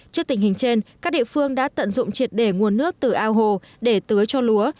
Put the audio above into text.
trước tình hình trên các địa phương đã tận dụng triệt đề nguồn nước từ ao hồ để tưới cho lúa